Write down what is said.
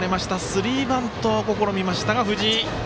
スリーバントを試みましたが藤井。